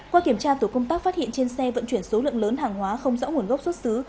qua kiểm tra tổ công tác phát hiện trên xe vận chuyển số lượng lớn hàng hóa không rõ nguồn gốc xuất xứ